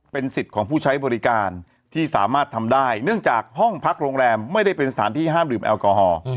เป็นสิทธิ์ของผู้ใช้บริการที่สามารถทำได้เนื่องจากห้องพักโรงแรมไม่ได้เป็นสถานที่ห้ามดื่มแอลกอฮอล์